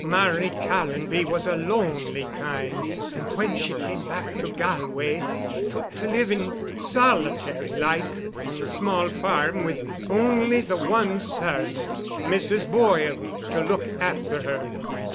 Mary Callonby was a lonely kind and when she came back to Galway took to living solitary like on the small farm with only the one servant, Mrs. Boyle, to look afther her."